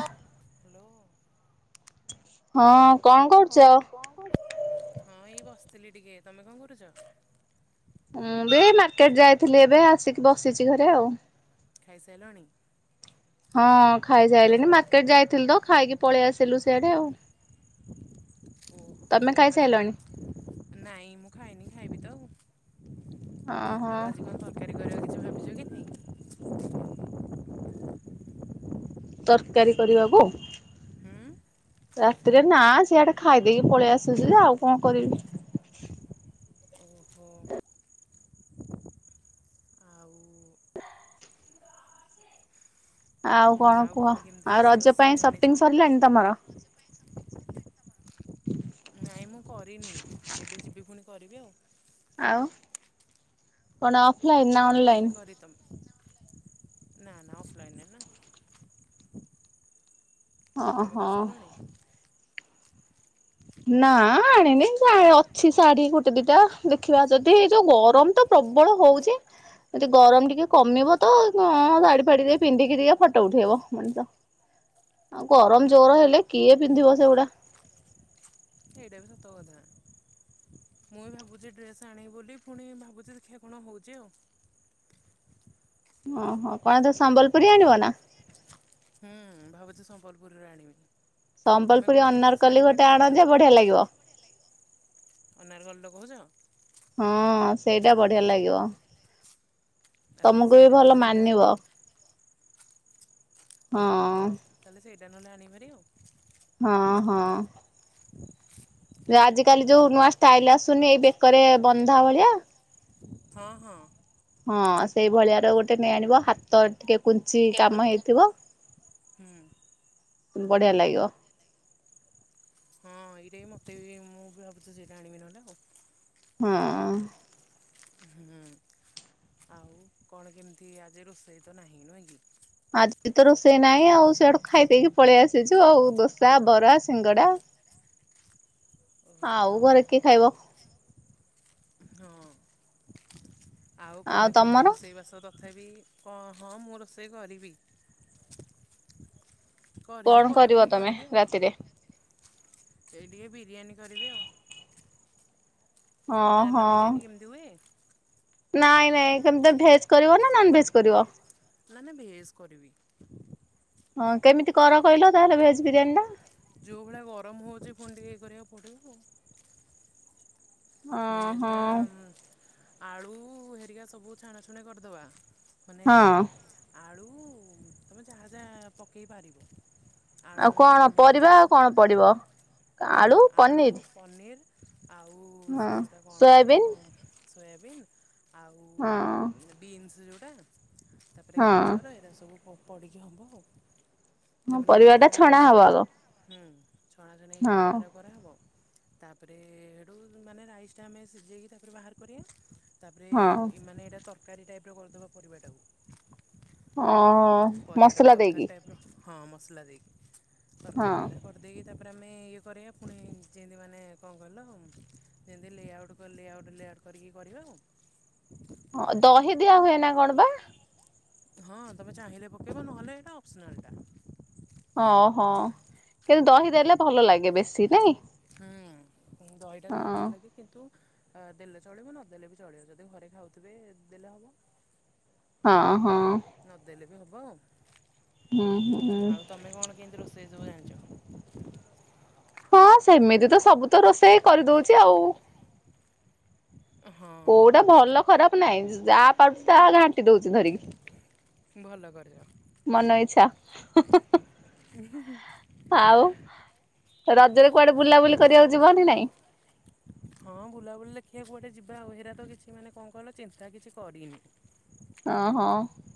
Hello ହଁ କଣ କରୁଛ? ହଁ କଣ କହୁଛ। ହଁ ଏଇ ବସିଥିଲି ଟିକେ ତମେ କଣ କରୁଛ। ଉଁ ଏ ମାର୍କେଟ ଯାଇଥିଲି ଏବେ ଆସିକି ବସିଛି ଘରେ ଆଉ ଖାଇସାରିଲାଣି। ହଁ ଖାଇସାଇଲେଣିି ମାର୍କେଟ ଯାଇଥିଲି ତ ଖାଇକି ପଳେଇ ଆସିଲୁ ସେଆଡେ ଆଉ। ଓହୋ ତମେ ଆଜି ଖାଇସାଇଲଣି? କଣ ନାଇଁ ମୁଁ ଖାଇନି ଖାଇବି ତ। ଓହୋ ଆଉ ଆଜି କଣ ତରକାରୀ କରିବା କିଛି ଭାବିଛୁ କି ନାଇଁ। ତରକାରୀ କରିବାକୁ ହୁଁ। ରାତିରେ ନା ସିଆଡେ ଖାଇଦେଇକି ପଳେଇ ଆସୁଛି ଆଉ କଣ କରିବି। ଓହୋ ଆଉ ହଁ ଆଉ କୁହ କଣ କେମିତି ଆଉ ରୋଷେଇ ରଜ ବାସ ପାଇଁ ସବୁ ସପିଙ୍ଗ ଜାଣିଛ। ସରିଲାଣି ତମର? ନାଇଁ ମୁଁ କରିନି ଏବେ ଯିବି ପୁଣି କରିବି ଆଉ। ଆଉ କଣ ଅଫଲାଇନ ନା ଏବେ ଅନଲାଇନ? ଯିବି କରି ତମ ନା ନା ଅଫଲାଇନରେ ନା ତମେ ଓହୋ କରିସାରିଲନି। ନା ଆଣିନି ଅଛି ଶାଢୀ ଗୋଟେ ଦିଟା ଦେଖିବା ଯଦି ଏଇ ଯୋଉ ଗରମ ତ ପ୍ରବଳ ହଉଛି। ଯଦି ଗରମ ଟିକେ କମିବ ତ ଶାଢୀ ଫାଡି ଦେଇ ପିନ୍ଧିକି ଦେଇ ଫଟୋ ଉଠେଇବ ମଣିଷ। ଆଉ ହଁ ବା ଗରମ ଜୋର ହେଲେ କିଏ ପିନ୍ଧିବ ସେଗୁଡା। ସେଇଟା ବି ସାତ କଥା। ମୁଁ ବି ଭାବୁଛି ଡ୍ରେସ ଆଣିବି ବୋଲି ପୁଣି ଭାବୁଛି ଦେଖିବା କଣ ହେଉଛି ଆଉ। ଓହୋ କଣ ତ ସମ୍ବଲପୁରୀ ଆଣିବ ନା? ହୁଁଁ ଭାବୁଛି ସମ୍ବଲପୁରରେ ଆଣିବି। ତମେ ସମ୍ବଲପୁରୀ କଣ କେମିତି ଅନାରକଲି ଶାଢ଼ୀ ଗୋଟେ ଫାଢ଼ ଆଣ ଆଣିଚ? ଯେ ବଢିଆ ଲାଗିବ। ଅନଲାଇନ ରେ ମଗଉଚ? ହଁ ସେଇଟା ବଢିଆ ଲାଗିବ। ଆଉ ତାହାଲେ ତମକୁ ବି ସେଇଟା ଭଲ ନହେଲେ ଯିବା ଯିବା ମାନିବ ଆଣିମି ଆଉ। ହଁ। ଓହୋ ତାହେଲେ ସେଇଟା ନହେଲେ ଆଣିବି ଭାରି ଆଉ। ହଁ ହଁ ଆଜିକାଲି ଯୋଉ ନୂଆ ଷ୍ଟାଇଲ ଆସୁନି ଏଇ ବେକରେ ବନ୍ଧା ଭଳିଆ ହଁ ହଁ ହଁ ସେଇଭଳିଆ ର ଗୋଟେ ନେଇ ଆଣିବ ହାତ ଟିକେ କୁଞ୍ଚି କାମ ହେଇଥିବ। ହୁଁ ବଢିଆ ଲାଗିବ ହଁ ଏଇଟା ମତେ ବି ମୁଁ ବି ଭାବୁଛି ସେଇଟା ଆଣିବି ନହେଲେ ଆଉ। ହଁ ହୁଁ ଆଉ କଣ କେମିତି ଆଜି ରୋଷେଇ ତ ନାହିଁ ନୁହେଁ କି। ଆଜି ତ ରୋଷେଇ ନାହିଁ ଆଉ ସେଆଡୁ ଖାଇ ଦେଇେଇକି ପଳେଇ ଆସିଛୁ ଆଉ ଦୋସା ବରା ସିଙ୍ଗଡା। ଓହୋ ଆଉ ଘରେ କିଏ ଖାଇବ। ହଁ। ଆଉ କଣ କେମିତି ରୋଷେଇ ବାସ ତ ତଥାବି କଣ କଣ ମୁଁ ରୋଷେଇ କରିବି। କଣ କରିନି ପରେ କରିବ ପୁଣି ତମେ କରିବି ଆଉ। ରାତିରେ ଏଇ ଟିକେ ବିରିୟାନୀ କରିବି ଆଉ। ତମେ ଓହୋ ଜାଣିନ ବିରିୟାନୀ କେମିତି ହୁଏ। ନାଇଁ ନାଇଁ କେମିତି ଭେଜ୍ କରିବ ନା ନନ ଭେଜ୍ କରିବ? ନା ନା ଭେଜ୍ କରିବି। ହଁ କେମିତି କର କହିଲ, ତାହେଲେ ଭେଜ ବିରିୟାନୀ ଟା। ଯୋଉ ଭଳିଆ ଗରମ ହଉଛି, ଫୁଣି ଟିକେ, ଇଏ କରିବାକୁ ପଡିବ ଆଉ। ଅ ହଁ ଭେଜଟା ଆଳୁ ହେରିକା ସବୁ ଛାଣାଛୁଣା କରିଦେବା, ମାନେ ହଁ ଆଳୁ, ତୁମେ ଯାହା ଯାହା ପକାଇ ପାରିବ। ଆଳୁ ଆଉ ହଉ, କଣ ପନିର୍ ପରିବା ହଉ, କଣ ପଡିବ ହ ଆଳୁ ପନିର୍ ଆଉ, ହଁ ସେ ଯେଉଁଟା କଣ କହିଲ, ସୋୟାବିନ୍ ସୋୟାବିନ୍। ଆଉ ହଁ ବିନ୍ସ ଯେଉଁଟା, ତାପରେ ହଁ ଗାଜର, ଏଇଟା ସବୁ। ପଡ଼ିକି ହବ, ଆଉ ତା ହଁ ପରେ ମାନେ ପରିବା ଟା ଛାଣା ଛଣା ହେବ ହବ ସେଇଟା। ଆଗ ହୁଁ ଛଣା ଛଣି ହେଇକି ହଁ ବାହାର କରାହେବ, ତାପରେ ସେଠୁ ମାନେ ରାଇସ ଟା ଆମେ ସିଝେଇ କି ତାପରେ ବାହାର କରିବା, ତାପରେ ହଁ ଏଇ ମାନେ ତର୍ କାରି ଟାଇପ୍ ର କରିଦେବା ପରିବାଟାକୁ। [inaudible] ଓ ହ। ପରିବାଟାକୁ ତରକାରୀ ଟାଇପ୍ ର ହଁ ମସଲା ଦେଇକି ତରକାରୀ ଗୁଡ଼ା ହଁ କରିଦେଇକି ତାପରେ ଆମେ ଇଏ କରିବା ପୁଣି ଯେମିତି ମାନେ କଣ କହିଲ ଯେମିତି ଲେ ଆଉଟ୍ ଲେ ଆଉଟ୍ ଲେଆଉଟ୍ କରିକି କରିବ ଆଉ। ହଁ ଦହି ଦିଆ ହୁଏ ନା କଣ ବା? ହଁ ତମେ ଚାହିଁଲେ ପକେଇବ, ନହେଲେ ଏଇଟା ଅପସନାଲ ଟା। ଓହୋ କିନ୍ତୁ ଦହି ଦେଲେ ଭଲ ଲାଗେ, ବେଶୀ ନାଇଁ? ହୁଁ ଦହିଟା ଦେଲେ ହଁ ଭଲ ଲାଗେ। କିନ୍ତୁ, ଦେଲେ ଚଳିବ, ନଦେଲେ ବି ଚଳିବ, ଯଦି ଘରେ ଖାଉଥିବେ ଦେଲେ ହବ। ହଁ ହଁ। ନଦେଲେ ବି ହେବ ଆଉ ହୁଁ ହୁଁ ଆଉ ତମେ କଣ କେମିତି ରୋଷେଇ ସବୁ ଜାଣିଛ? ହଁ ସେମିତି ତ ସବୁ ତ ରୋଷେଇ କରିଦଉଛି ଆଉ। ହଁ କୋଉଟା ଭଲ ଖରାପ ନାହିଁ ଯାହା ପାରୁୁଛି ତାହା ଘାଣ୍ଟି ଦଉଛି ଧରିକି। ମନ ଇଚ୍ଛା ଭଲ କରିଛ। ଆଉ ହୁ। ରଜରେ କୁଆଡେ ବୁଲାବୁଲି କରିବାକୁ ଯିବ କି ନାଇଁ? ହଁ ବୁଲାବୁଲି ଲେଖିବାକୁ କୁଆଡେ ଯିବା ଆଉ ହେରା ତ କିଛି ମାନେ କଣ କହିଲ ଚିନ୍ତା କିଛି କରିନି। ଓ ହୋ।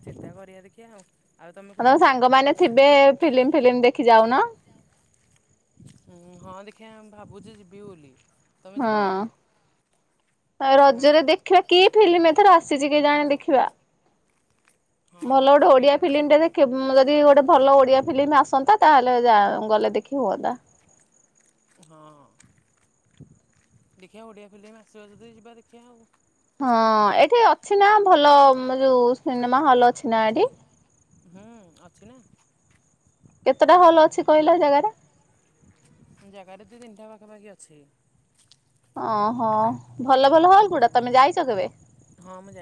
ଚିନ୍ତା କରିବା ଦେଖିବା ଆଉ। ତମେ ତମ କୁଆଡ଼େ ଯିବ ସାଙ୍ଗମାନେ ଥିବେ ଫିଲ୍ମ ଫିଲମ ଦେଖି ଯାଉନ। ହଁ ହଁ ଦେଖିବା ଭାବୁଛି ଯିବି ବୋଲି। ତମେ ହଁ ଯିବ ନା ରଜରେ ନାଇଁ ଦେଖିବା କିଏ ଫିଲ୍ମ ଏଥର ଆସିଛି କେଜାଣୀ ଦେଖିବା। ଭଲ ହଁ ଗୋଟେ ଓଡିଆ ହେଇଟା ବି ଫିଲ୍ମଟେ ଦେଖ ଯଦି ଗୋଟେ ଭଲ ଓଡିଆ ଫିଲ୍ମ ଆସନ୍ତା ତାହେଲେ ଗଲେ ଦେଖି କେ ହେଲା। ହଁ ଦେଖିବା ଓଡ଼ିଆ ଫିଲ୍ମ ଆସିବ ଯିବା ଦେଖିବା ଆଉ। ହଁ ଏଠି ଅଛି ନା ଭଲ ଯୋଉ ସିନେମା ହଲ୍ ଅଛି ନା ଏଠି। ହୁଁ ଅଛି ନା। କେତେଟା ହଲ୍ ଅଛି କହିଲା ଜାଗାରେ? ଜାଗାରେ ଦୁଇ ତିନିଟା ପାଖାପାଖି ଅଛି। ଓହୋ ଭଲ ଭଲ ହଲ୍ ଗୁଡା ତମେ ଯାଇଛ କେବେ?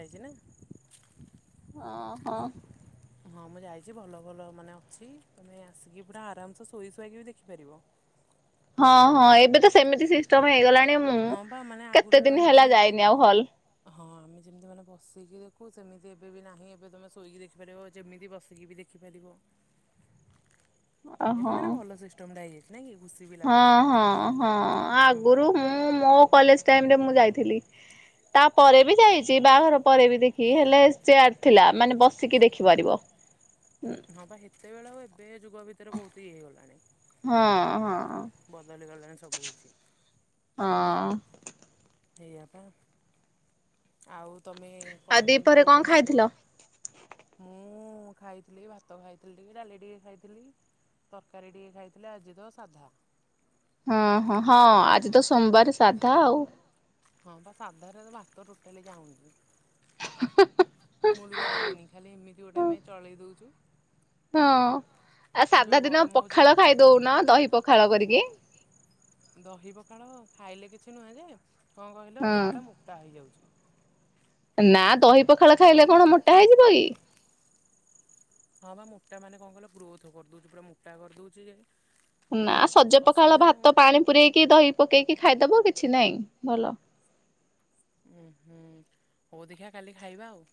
[inaudible] ହ ହୋ। ହଁ ମୁଁ ଯାଇଛି ଭଲ ଭଲ ମାନେ ଅଛି ତୁମେ ଆସିକି ପୁରା ଆରାମସେ ଶୋଇ ଶୋଇକି ବି ଦେଖିପାରିବ। ହଁ ହଁ ଏବେ ତ ସେମିତି ସିଷ୍ଟମ ହେଇଗଲାଣି ମୁଁ ହଁ ବା ମାନେ ଆଗରୁ କେତେ ଯୋଉ ଦିନ ଆମେ ହେଲା ଯେମିତି ଯାଇନି ଆଉ ହଲ। ହଁ ଆମେ ଯେମିତି ମାନେ ବସିକି ଦେଖୁ ସେମିତି ଏବେ ବି ନାହିଁ ଏବେ ତମେ ଶୋଇକି ଦେଖିପାରିବ ଯେମିତି ବସିକି ବି ଦେଖି। [unintelligible] ଏବେ ମାନେ ଓହୋ। ଭଲ ସିଷ୍ଟମ ଟା ହେଇଯାଇଛି ନାଇଁ କି। ଘୁସି ହଁ ହଁ ହଁ ଆଗରୁ ମୁଁ ମୋ କଲେଜ ଟାଇମରେ ମୁଁ ଯାଇଥିଲି। ତା ପରେବି ଯାଇଚି ବାହାଘର ପରେ ବି ଦେଖି ହେଲେ ଚେୟାର ଥିଲା ମାନେ ବସିକି ଦେଖିପାରିବ। [unintelligible] ହଁ ବା ହେତେବେଳ ଆଉ ଏବେ ଯୁଗ ଭିତରେ ବହୁତ ଇଏ ହେଇଗଲାଣି। ହଁ ହଁ ହଁ ବଦଳି ଗଲାଣି ସବୁ କିଛି। ହଁ। ସେଇଆ ପା। ଆଉ ତମେ ଆଉ କଣ କେମିତି ଦିପହରେ କୁଆଡେ କଣ ଖାଇଥିଲ? ଯିବ? ମୁଁ ଖାଇଥିଲି ଭାତ ଖାଇଥିଲି ଟିକେ ଡାଲି ଟିକେ ଖାଇଥିଲି। ତରକାରୀ ଟିକେ ଖାଇଥିଲେ ଆଜି ତ ସାଧା। ହଁ ହଁ ହଁ ଆଜି ତ ସୋମବାର ସାଧା ଆଉ। ହଁ ବା ସାଧାରେ ତ ଭାତ ଟୋଟାଲି ଯାଉନି। ମୂଳରୁ ଯାଉନି ଖାଲି ଏମିତି ଗୋଟେ ଆମେ ଚଳେଇ ଦଉଚୁ। ହଁ ଆ ସାଧା ଦିନ ପଖାଳ ଖାଇଦଉନ ଦହି ପଖାଳ କରିକି। ଦହି ପଖାଳ ଖାଇଲେ କିଛି ନୁହେଁ ଯେ କଣ କହିଲ ହଁ। ଦେହଟା ମୋଟା ହେଇଯାଉଚି। ନା ଦହି ପଖାଳ ଖାଇଲେ କଣ ମୋଟା ହେଇଯିବ କି। ହଁ ବା ମୋଟା ମାନେ କଣ କହିଲ ଗ୍ରୋଥ୍ କରିଦଉଚି ପୁରା ମୋଟା କରିଦଉଚି ଯେ। ନା ଏଇଟା ଗୋଟେ ସଜ ପଖାଳ ଅସୁବିଧା ଆଉ ଭାତ ପାଣି ପୁରରେଇକି ଦହି ପକେଇକି ଖାଇଦବ କିଛି ନାଇଁ ଭଲ। ଉଁ ହୁଁ ହଉ ଦେଖିଆ କାଲି ଖାଇବା ଆଉ।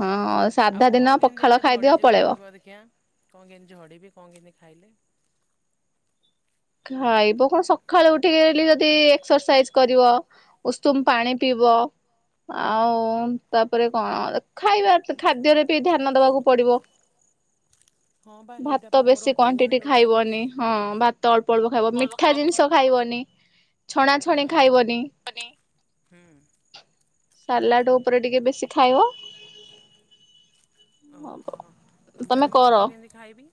ହଁ ସାଧା ଆଉ ଦିନ କଣ କେମିତି ପଖାଳ ଦେଖିଆ ଖାଇଦିଅ ଝଡିଯିବି ପଳେଇବ। କହିବ ଦେ ଖିଆ। କଣ କେମିତି ଝଡିବି କଣ କେମିତି ଖାଇଲେ। ଖାଇବ କଣ ସକାଳୁ ଉଠିକି ଡେଲି ଯଦି ଏକ୍ସରସାଇଜ କରିବ। ଉଷୁମ ପାଣି ପିଇବ। ଆଉ ତାପରେ କଣ ଖାଇବା ଖାଦ୍ୟରେ ବି ଧ୍ୟାନ ଦବାକୁ ପଡିବ। ହଁ ବା ହେଇଟା ଭାତ ବା ମୋର ବେଶୀ ହଉନି କ୍ଵାଣ୍ଟିଟି ଟୋଟାଲି ଖାଇବନି ହଁ। ଭ ତ ଅଳପ ଅଳପ ଖାଇବ ମିଠା ଜିନିଷ ଖାଇବନି। ଛଣାଛଣି ହୁଁ ଖାଇବନି। ହୁଁ ସାଲାଡ ଉପରେ ଟିକେ ବେଶୀ ଖାଇବ। ଓହୋ ତମେ ତଥାପି ମୁଁ କଣ କର କେମିତି ଖାଇବି?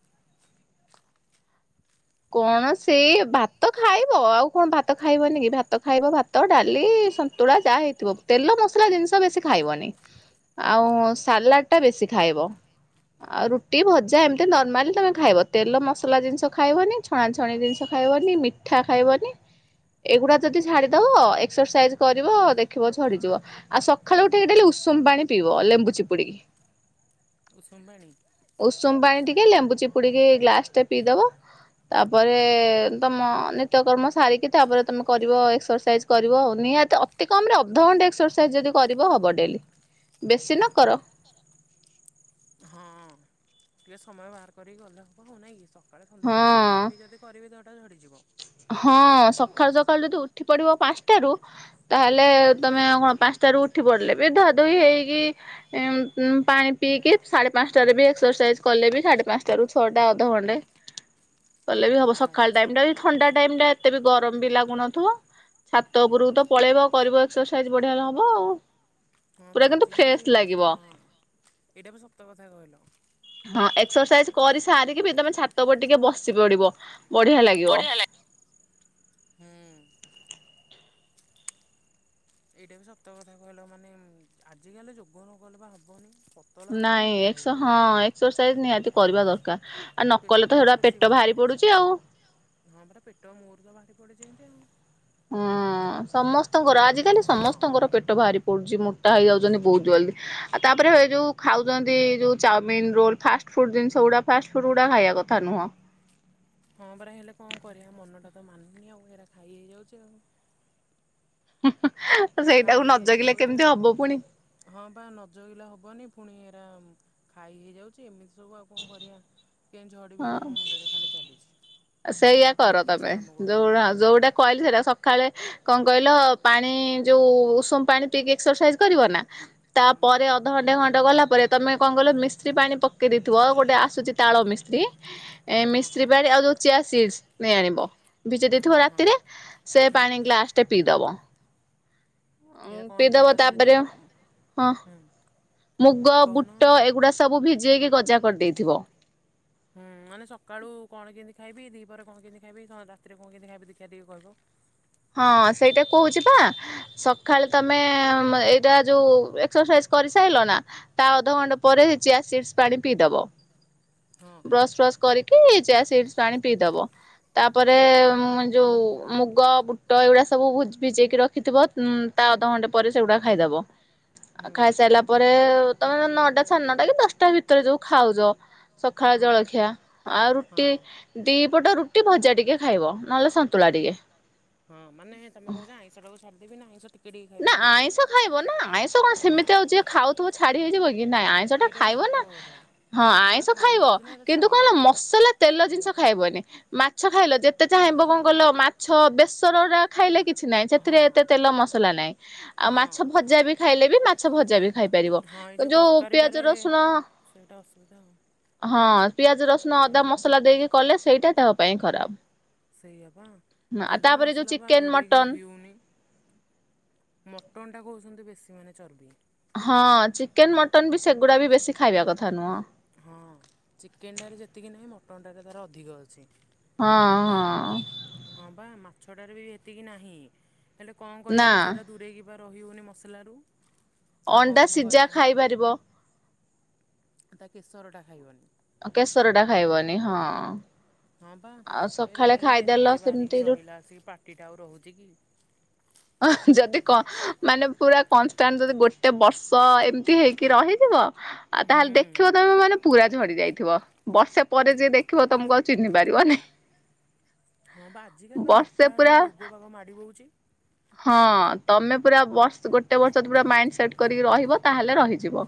କଣ ସେ ଭାତ ଖାଇବ ଆଉ କଣ ଭାତ ଖାଇବନି କି। ଭାତ ଭାତ ଖାଇବ ଭାତ ଡାଲି ସନ୍ତୁଳା ଯାହା ହେଇଥିବ ତେଲ ମସଲା ଜିନିଷ ବେଶି ଖାଇବନି। ଆଉ ସାଲାଡ଼ ଟା ବେଶୀ ଖାଇବ। ଆଉ ରୁଟି ଭଜା ଏମିତି ନର୍ମାଲି ତମେ ଖାଇବ ତେଲ ମସଲା ଜିନିଷ ଖାଇବନି। ଛଣାଛଣି ଜିନିଷ ଖାଇବନି ମିଠା ଖାଇବନି। ଏଗୁଡା ଯଦି ଛାଡ଼ିଦବ ଏକ୍ସରସାଇଜ୍ କରିବ ଦେଖିବ ଝଡିଯିବ। ଆଉ ସକାଳୁ ଉଠିକି ଡେଲି ଉଷୁମ ପାଣି ପିଇବ ଲେମ୍ବୁ ଚିପୁଡିକି। ଉଷୁମ୍ ପାଣି। ଉଷୁମ ପାଣି ଟିକେ ଲେମ୍ବୁ ଚିପୁଡିକି ଗ୍ଲାସ ଟେ ପିଇଦବ। ତାପରେ ତମ ନିତ୍ୟକର୍ମ ସାରିକି ତାପରେ ତମେ କରିବ ଏକ୍ସରସାଇଜ। କରିବ ଆଉ। ନିହାତି ଅତି କମ ରେ ଅଧ ଘଣ୍ଟେ ଏକ୍ସରସାଇଜ ଯଦି କରିବ ହବ ଡେଲି। ବେଶୀ ନ କର। ହଁ। ଟିକେ ସମୟ ବାହାର କରିକି ଗଲେ ହେବ ହେବ ନାଇଁ କି। ସକାଳେ ହଁ ସଧ୍ୟାବେଳେ ଦୁଇ ଟାଇମ୍ ବି ଯଦି କରିବି ଦେହଟା ଝଡ଼ିଯିବ। ହଁ ସକାଳୁ ସକାଳୁ ଯଦି ଉଠି ପଡିବ ପାଞ୍ଚଟାରୁ ତାହେଲେ ତମେ କଣ ପାଞ୍ଚଟା ରୁ ଉଠି ପଡିଲେ ବି ଧୁଆ ଧୋଇ ହେଇକି [unintelligible] ପାଣି ପିଇକି ସାଢେ ପାଞ୍ଚଟାରେ ବି ଏକ୍ସରସାଇଜ କଲେ ବି ସାଢେ ପାଞ୍ଚଟ ର ଛଅଟା ଅଧ ଘଣ୍ଟେ କଲେ ବି ହବ। ହଁ ସକାଳ ଟାଇମରେ ଥଣ୍ଡା ଟାଇମରେ ଏତେ ବି ଗରମ ବି ଲାଗୁନଥିବ। ଛାତ ଉପରକୁ ତ ପଳେଇବ କରିବ ଏକ୍ସରସାଇଜ ବଢିଆ ହବ ଆଉ। ହଁ ପୁରା ବା କିନ୍ତୁ ଆଜିକାଲି ଫ୍ରେଶ ଲାଗିବ। ହଁ ଏଇଟା ବି ସତ କଥା କହିଲ। ହଁ ଏକ୍ସରସାଇଜ କରି ସାରିକି ବି ତମେ ଛାତ ଉପରେ ଟିକେ ବସି ପଡିବ ବଢିଆ ଲାଗିବ। ହଁ। ଏଇଟା ବି ସତ କଥା କହିଲ ମାନେ ଆଜିିକାଲି ଯୋଗ ନ କଲେ ବା ହବନି। ପତଳା ହୁଏ କି ନାଇଁ ମୋଟା ଏକ୍ସ ହୁଅ ହଁ ଏକ୍ସରସାଇଜ ନିହାତି କରିବା ଦରକାର। ଆ ନକଲେ ତ ପେଟଟା ହେଗୁଡ଼ା ବେଶୀ ପେଟ ବାହାରି ପଡ଼ୁଛି ପଡୁଚି ଆଉ। ହଁ ପରା ପେଟ ମୋର ତ ବାହାରି ପଡିଛି ଏମତି ଆଉ। ହଁ ଦେ ସମସ୍ତଙ୍କର ଆଜିିକାଲି ହଁ ସମସ୍ତଙ୍କର ପେଟ ବାହାରି ପଡୁଛି ମୋଟା ହେଇଯାଉଛନ୍ତି ବହୁତ ଜଲ୍ଦି। ଆ ତାପରେ ଯୋଉ ଖାଉଛନ୍ତି ଯୋଉ ଚାଉମିନ ରୋଲ ଫାଷ୍ଟ ଫୁଡ ଜିନିଷ ଗୁଡ ଫାଷ୍ଟ ଫୁଡ ଗୁଡା ଖାଇବା କଥା ନୁହଁ। ହଁ ପରା ହେଲେ କଣ କରିବା ମନଟା ତ ମାନୁନି ଆଉ ଏରା ଖାଇ ହେଇଯାଉଛି ଆଉ। ଏରା ସେଇଟାକୁ ନ ଖାଇଦେଲେ ଏମତି ଜଗିଲେ ହଉଛି କେମିତି ହବ ପୁଣି ଆଉ ହଁ ପା ନଜଗିଲେ ହବନି ପୁଣି ଏରା ଖାଇ ହେଇଯାଉଛି ଏମିତି ସବୁ ଆଉ କଣ କରିବା କେମତି ଝଡ଼ିବି ଏଇଟା ମୋ ମୁଣ୍ଡରେ ଖାଲି ଚାଲିଛି। ସେଇୟା ମୁଣ୍ଡ କର କିଛି ତମେ କାମ କରୁନି ଯୋଉଗୋଡ଼ା ଯୋଉଟା କହିଲି ସେଇଟା ସକାଳେ କଣ କହିଲ ପାଣି ଯୋଉ ଉଷୁମ ପାଣି ପିଇକି ଏକ୍ସରସାଇଜ କରିବ ନା ହୁଁ। ତାପରେ ଅ ଅଧ ଘଣ୍ଟେ ଘଣ୍ଟେ ଗଲା ପରେ ତମେ କ ଣ କହିଲ ମିଶ୍ରି ପାଣି ପକେଇ ଦେଇଥିବ ଓ ଗୋଟେ ଆସୁଛି ତାଳ ମିଶ୍ରି। ଏ ହଁ ମିଶ୍ରି ହଁ ପାଣି ଆଉ ଚିଆ ସିଡସ୍ ନେଇ ଆଣିବ। ଭିଜେଇ ଦେଇଥିବ ହଁ ହଁ ରାତିରେ ସେ ହୁଁ ପାଣି ଗ୍ଲାସ ଟେ ପିଇଦବ। ଏଇଟା କଣ ପିଇଦବ ଦେହଟା ଝଡ଼ିଯିବ ତାପରେ ହଁ। ହୁଁ ମୁୁଗ କହୁନ। ବୁଟ ଏଗୁଡ଼ା ସବୁ ଭିଜେଇକି ଗଜା କରିଦେଇଥିବ। ହୁଁ ମାନେ ସକାଳୁ କଣ କେମତି ଖାଇବି ଦି ପରେ କଣ କେମିତି ଖାଇବି ରାତିରେ କଣ କେମିତି ଖାଇବି ଦେଖିବା ଟିକେ କହିଲୁ। ହଁ ସେଇଟା କହୁଛି ପା। ସକାଳେ ତମେ ଏଇଟା ଯୋଉ ଏକ୍ସରସାଇଜ କରିସାଇଲ ନା। ତା ଅଧଘଣ୍ଟା ପରେ ଚିଆ ସିଡସ୍ ପାଣି ପିଇଦବ। ହଁ। ବ୍ରସ୍ ଫ୍ରସ୍ କରିକି ଚିଆ ସିଡସ୍ ପାଣି ପିଇଦବ। ତାପରେ ହୁଁ ଯୋଉ ମୁଗ ଟ ଏଗୁଡ଼ା ସବୁ ଭୁ ଭିଜେଇକି ରଖିଥିବ ମ୍ ତା ଅଧଘଣ୍ଟେ ପରେ ସେଗୁଡ଼ା ଖାଇଦେବ। ଆ ହୁଁ ଖାଇସାଇଲା ପରେ ତମେ ନଅଟା ସାଢ଼େ ନଅଟା କି ଦଶଟା ଭିତରେ ଯୋଉ ଖାଉଛ। ସକାଳ ହଁ ଜଳଖିଆ ଆଉ ରୁଟି। ହଁ। ଦି ପଟ ରୁଟି ଭଜା ଟିକେ ଖାଇବ ନହେଲେ ସନ୍ତୁଳା ଟିକେ। ହଁ ମାନେ ତମେ କହୁଛ ଆଇଁହ ଟାକୁ ଛାଡିଦେବି ନା ଆଇଁଶ ଟି ନା ଆଇଁଷ ଖାଇବ ନା ଆଇଁଷ କଣ ହଁ ସେମିତି ଆଉ ଯିଏ ଖାଉଥିବ ଛାଡି ହେଇଯିବ କି ନାଇଁ। ଶ ଟା ଏଇଟା ବି ଖାଇବ ସତ ନା କଥା ହଁ ଏଇଟା ସବୁବେଳେ ଆଇଁଷ ଖାଇ ଖାଇବ ହେଇଯାଇଛି ନା ଏଇଟା କିନ୍ତୁ ଛାଡ଼ି କଣ ହେଲା ହେବନି। ମସଲା ତେଲ ସେଇଆ ଜିନିଷ ପା ଖାଇବନି। ମା ଛ ଖାଇଲ ଯେତ ହଁ ଚାହିଁବ କଣ କହିଲ ମା ଛ ବେସର ଟା ଖାଇଲେ କିଛି ନାହିଁ ସେଥିରେ ହଁ ଏତେ ତେଲ ମସଲା ନାହିଁ ଆଉ ହଁ ମାଛ ଭଜା ବି ଖାଇଲେ ବି ମା ଛ ଭଜା ବି ଖାଇ ପାରିବ ହଁ ଏଇ ଯେଉଁ ଯୋଉ ତରକାରୀଟାରେ ପିଆଜ ରସୁଣ ସେଇଟା ଅସୁବିଧା ଆଉ ହଁ ପିଆଜ ରସୁଣ ହୁଁ ଅଦା ମସଲା ଦେଇକି କଲେ ସେଇଟା ଦେହ ପାଇଁ ଖରାପ। ସେଇୟା ପା ଆଉ ତେଲ ତାପରେ ଯୋଉ ମସଲା ପା ଚିକେନ ଦୂରେଇକି ମଟନ ରହି ହେଉନି। ମଟନ୍ ଟା କହୁଛନ୍ତି ବେଶୀ ମାନେ ଚର୍ବି। ହଁ ଚିକେନ ମଟନ ବି ସେଗୁଡା ବି ବେଶୀ ଖାଇବା କଥା ନୁହଁ। ହଁ ଚିକେନଟାରେ ଯେତିକି ନାହିଁ ମଟନ ଟାରେ ତାର ଅଧିକ ଅଛି। ହଁ ହଁ। ହଁ ପା ମାଛଟାରେ ବି ଏତିକି ନାହିଁ ହେଲେ କଣ ନା କରିବା ଆଉ ସେରା ଦୂରେଇକି ରହିହଉନି ମସଲାରୁ ଆଉ କଣ ଅଣ୍ଡା କେମିତି ସିଝା କରିବା। ଖାଇପାରିବ ତା କେଶରଟା ଖାଇବନି। କେଶର ଟା ଖାଇବନି ହଁ। ହଁ ପା ଆଉ ଏରା ସକାଳେ ଏନ୍ତେ ଖାଇଦେଲ ଏତେ ସେମିତି ବାରିକି ରୁ ରହିଲା ଆସିକି ପାଟିଟା ଆଉ ରହୁଛି କି। ଯଦି କ ମାନେ ପୁରା କନଷ୍ଟାଣ୍ଟ ଯଦି ଗୋଟେ ବର୍ଷ ଏମତି ହେଇକି ରହିଯିବ ଆଉ ହୁଁ ତାହେଲେ ଦେଖିବ ତମେ ମାନେ ପୁରା ଝଡି ଯାଇଥିବ। ବର୍ଷା ପରେ ଯିଏ ଦେଖିବ ତମକୁ ଚିହ୍ନି ପାରିବନି। ହଁ ବା ଆଜିକାଲି ବା ବର୍ଷେ ମୋଟା ହେଲେ ପୁରା ରୋଗ ବାାଗ ମାଡଡି ବଉଚି। ହଁ ତମେ ପୁରା ବର୍ଷ ଗୋଟେ ବର୍ଷ ପ ମାଇଣ୍ଡ ସେଟ କରିକି ରହିବ ତାହେଲେ ରହିଯିବ।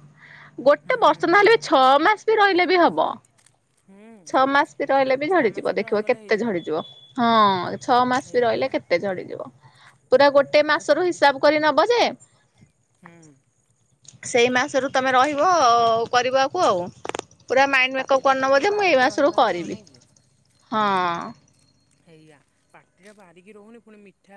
ଗୋଟେ ହୁଁ ବର୍ଷ ନହେଲେ ଏ ଛଅ ମାସ ବି ରହିଲେ ବି ହବ। ହୁଁ ଛଅ ମାସ ବି ରହିଲେ ବି ଛଅ ମାସ ଝଡିଯିବ ବି ଦେଖିବ ରହିଗଲେ କେତେ ହେଇଯିବ। ଝଡିଯିବ। ହଁ, ଛଅ ମାସ ବି ହେଇଆ ବା ରହିଲେ କେତେ ଝଡିଯିବ। ପୁରା ଗୋ ଟେ ଖାଲି ମାସରୁ ପାଟି ହିସାବ କରି ନବ ଯେ ହୁଁ ସେଇ ମାସରୁ ତମେ ରହିବ କରିବାକୁ ଆଉ ପୁରା ମାଇଣ୍ଡ ମେକଅପ୍ ପାଟିଟା ଖାଲି କରିନବ ଯେ ଟିକେ ମୁଁ ଏଇ ବାରିକି ମାସରୁ ରହିପାରିବେ ଆଉ କରିବି ନାଇଁ କି? ହଁ। ହେଇଆ ପାଟିଟା ବାରିକି ରହୁନି ପୁଣି ମିଠା